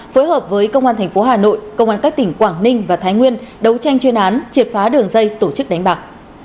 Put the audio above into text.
phối hợp với công an tp hà nội công an các tỉnh quảng ninh và thái nguyên đấu tranh chuyên án triệt phá đường dây tổ chức đánh bạc